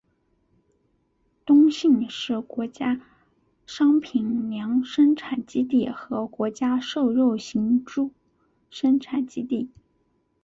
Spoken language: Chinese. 东兴是国家商品粮生产基地和国家瘦肉型猪生产基地。